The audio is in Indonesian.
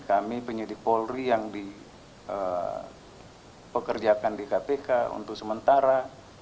kami penyidik polri yang dipekerjakan di kpk untuk sementara